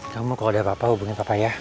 kamu kalau ada apa apa hubungi papa ya